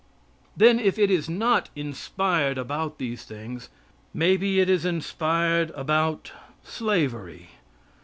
Then, if it is not inspired about these things, may be it is inspired about slavery.